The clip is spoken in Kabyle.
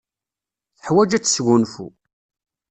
Teḥwaj ad tesgunfu.